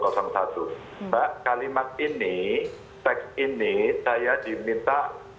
mbak kalimat ini teks ini saya diminta